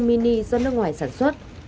mini do nước ngoài sản xuất